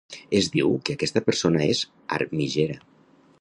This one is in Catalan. Es diu que aquesta persona és armigera.